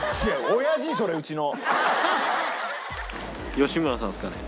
吉村さんですかね。